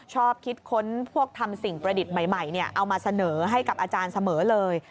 ชอบคิดค้นพวกทำสิ่งประดิษฐ์ใหม่เอามาเสนอให้กับอาจารย์เสมอเลย